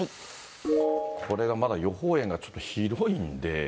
これがまだ予報円がちょっと広いんで。